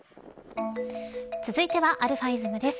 続いてはαｉｓｍです。